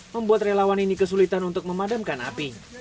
membuat relawan ini kesulitan untuk memadamkan api